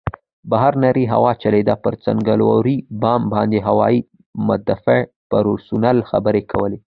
بهر نرۍ هوا چلېده، پر څنګلوري بام باندې هوايي مدافع پرسونل خبرې کولې.